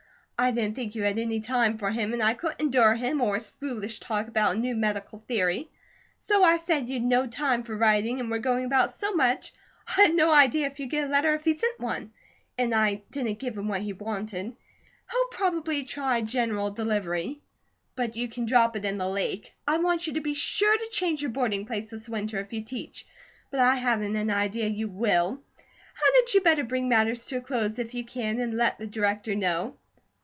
I didn't think you had any time for him and I couldn't endure him or his foolish talk about a new medical theory; so I said you'd no time for writing and were going about so much I had no idea if you'd get a letter if he sent one, and I didn't give him what he wanted. He'll probably try general delivery, but you can drop it in the lake. I want you to be sure to change your boarding place this winter, if you teach; but I haven't an idea you will. Hadn't you better bring matters to a close if you can, and let the Director know?